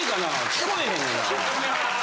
聞こえへんねんな。